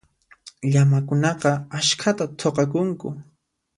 Llamakunaqa askhata thuqakunku.